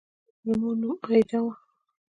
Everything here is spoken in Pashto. د مور نوم «آیدا» وي